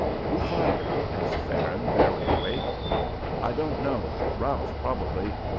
"Who fired?" asked Farron, barely awake. "I don't know; Ralph probably.